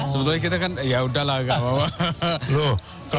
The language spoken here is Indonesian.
sebetulnya kita kan ya udah lah pak